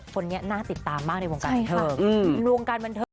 คนนี้น่าติดตามมากในวงการบรรเทิม